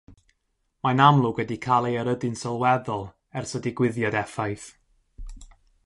Mae'n amlwg wedi cael ei erydu'n sylweddol ers y digwyddiad effaith.